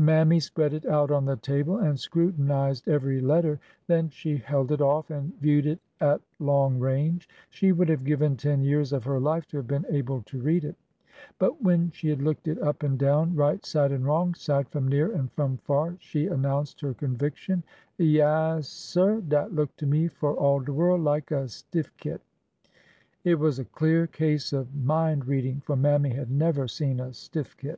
Mammy spread it out on the table and scrutinized every letter. Then she held it off and viewed it at long range. She would have given ten years of her life to have been able to read it. But when she had looked it up and down, right side and wrong side, from near and from far, she announced her conviction. Yaassir ! dat look to me for all de world like a stiffkit !" It was a clear case of mind reading, for Mammy had never seen a stiffkit."